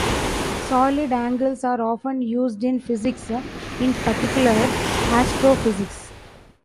Solid angles are often used in physics, in particular astrophysics.